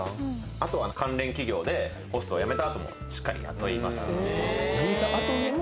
あとは関連企業でホスト辞めたあともしっかり雇います辞めたあとにも？